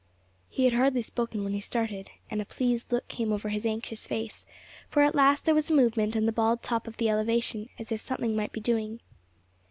He had hardly spoken when he started, and a pleased look came over his anxious face; for at last there was a movement on the bald top of the elevation, as if something might be doing.